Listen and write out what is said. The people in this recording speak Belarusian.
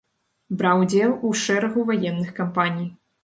Браў удзел у шэрагу ваенных кампаній.